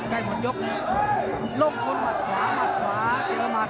ลงคุณหมดขวาหมดขวา